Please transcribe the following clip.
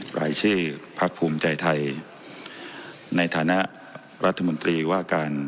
รายชื่อพักภูมิใจไทยในฐานะรัฐมนตรีว่าการ